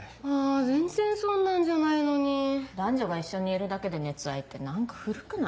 全然そんなんじゃないのに。男女が一緒にいるだけで熱愛って何か古くない？